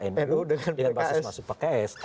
dengan basis masa pks